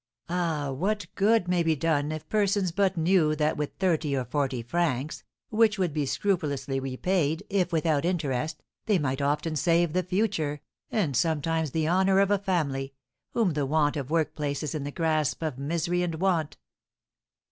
Ah, what good may be done if persons but knew that with thirty or forty francs, which would be scrupulously repaid, if without interest, they might often save the future, and sometimes the honour of a family, whom the want of work places in the grasp of misery and want!"